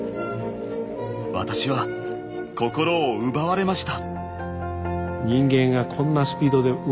私は心を奪われました。